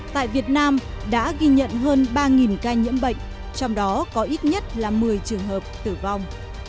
tại việt nam đã ghi nhận hơn ba ca nhiễm bệnh trong đó có ít nhất là một mươi trường hợp tử vong